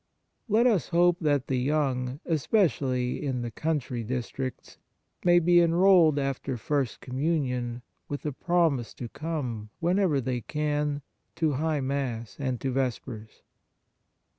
Let us hope that the young, especially in the 47 On the Exercises of Piety country districts, may be enrolled after first Communion, with a promise to come, whenever they can, to High Mass and to Vespers.